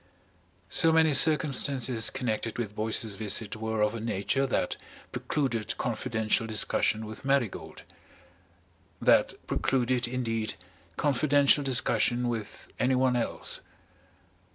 So many circumstances connected with Boyce's visit were of a nature that precluded confidential discussion with Marigold, that precluded, indeed, confidential discussion with anyone else.